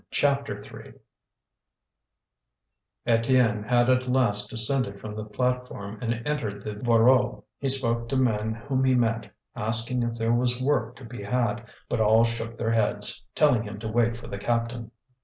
CHAPTER III Étienne had at last descended from the platform and entered the Voreux; he spoke to men whom he met, asking if there was work to be had, but all shook their heads, telling him to wait for the captain.